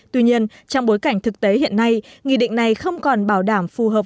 tuy nhiên trong bối cảnh thực tế hiện nay nghị định này không còn bảo đảm phù hợp